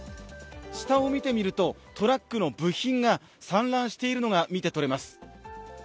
下を見てみるとトラックの部品が散乱しているのが見て取れます。